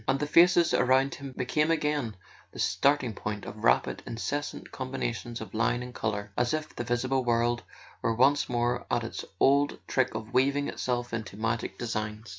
And the faces around him became again the starting point of rapid incessant combina¬ tions of line and colour, as if the visible world were once more at its old trick of weaving itself into magic designs.